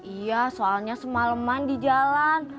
iya soalnya semaleman di jalan